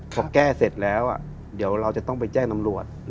พอแก้เสร็จแล้วเดี๋ยวเราจะต้องไปแจ้งตำรวจ